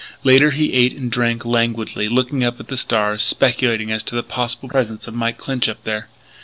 Later he ate and drank languidly, looking up at the stars, speculating as to the possible presence of Mike Clinch up there.